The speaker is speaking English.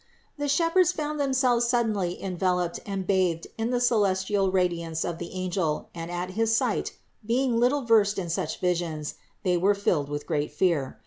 494. The shepherds found themselves suddenly en veloped and bathed in the celestial radiance of the angel, and at his sight, being little versed in such visions, they were filled with great fear.